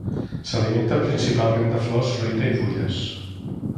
S'alimenta principalment de flors, fruita i fulles.